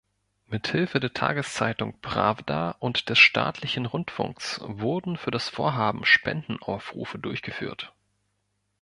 Mithilfe der Tageszeitung Prawda und des staatlichen Rundfunks wurden für das Vorhaben Spendenaufrufe durchgeführt.